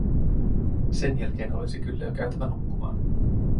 Sen jälkeen olisi kyllä jo käytävä nukkumaan.